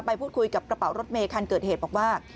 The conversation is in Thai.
พูดคุยกับกระเป๋ารถเมย์คันเกิดเหตุบอกว่า